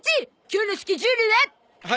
今日のスケジュールは？